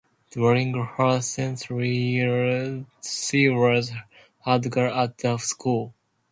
During her senior years she was head girl at the school.